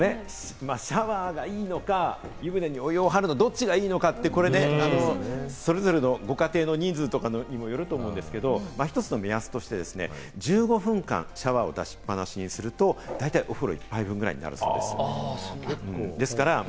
シャワーがいいのか、お湯に湯船を張るのがどっちがいいのかって、それぞれのご家庭の人数とかにもよると思うんですけれど、一つの目安として１５分間シャワーを出しっぱなしにすると、大体お風呂一杯分ぐらいになるということです。